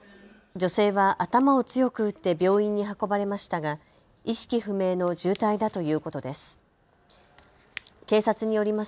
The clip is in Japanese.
女性は頭を強く打って病院に運ばれましたが意識不明の重体だということです。